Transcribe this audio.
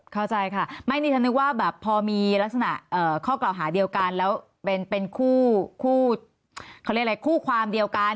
เข้าใจค่ะไม่นี่ฉันนึกว่าแบบพอมีลักษณะข้อกล่าวหาเดียวกันแล้วเป็นคู่เขาเรียกอะไรคู่ความเดียวกัน